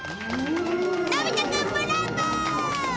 のび太くんブラボー！